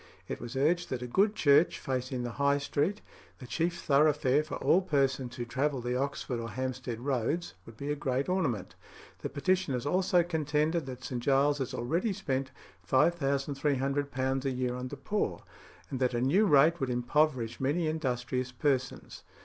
It was urged that a good church facing the High Street, the chief thoroughfare for all persons who travelled the Oxford or Hampstead roads, would be a great ornament. The petitioners also contended that St. Giles's already spent £5300 a year on the poor, and that a new rate would impoverish many industrious persons.